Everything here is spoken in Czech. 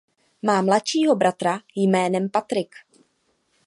Má mladšího bratra jménem Patrick.